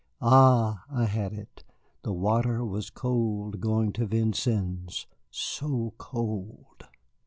Ah, I had it, the water was cold going to Vincennes, so cold!